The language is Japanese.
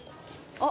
あっ。